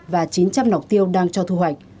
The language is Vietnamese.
và chín trăm linh nọc tiêu đang cho thu hoạch